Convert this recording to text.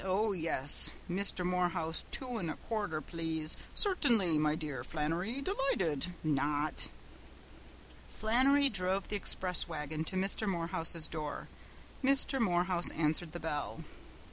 Oh, yes! 'Misther Morehouse, two an' a quarter, plaze.' 'Cert'nly, me dear frind Flannery. Delighted!' Not!" Flannery drove the express wagon to Mr. Morehouse's door. Mr. Morehouse answered the bell.